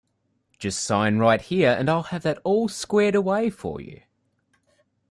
Just sign right here and I’ll have that all squared away for you.